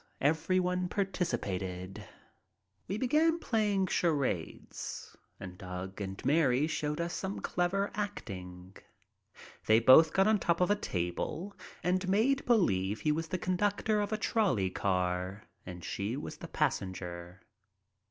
Everyone participated. We began playing charades, and Doug and Mary showed us some clever acting. They both got on top of a table and made believe he was the conductor of a trolley car and she was a passenger.